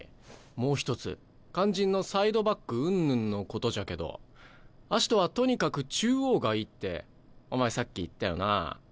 もう一つ肝心のサイドバックうんぬんのことじゃけどアシトはとにかく中央がいいってお前さっき言ったよなあ。